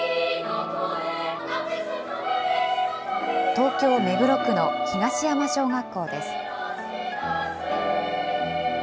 東京・目黒区の東山小学校です。